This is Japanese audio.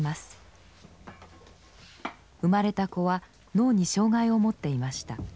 生まれた子は脳に障害をもっていました。